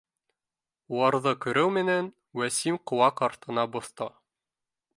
Уларҙы күреү менән, Вәсим ҡыуаҡ артына боҫто